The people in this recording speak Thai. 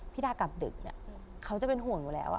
พี่ดากลับดึกเนี่ยเขาจะเป็นห่วงกว่าแล้ว